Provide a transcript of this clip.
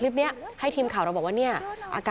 ลองไปดูบรรยากาศช่วงนั้นนะคะ